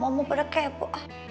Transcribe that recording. om mau pada kepo